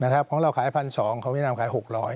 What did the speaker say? ของเราขาย๑๒๐๐ของเวียดนามขาย๖๐๐